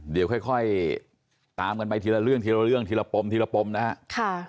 เดี๋ยวค่อยตามกันไปทีละเรื่องทีละเรื่องทีละปมทีละปมนะฮะ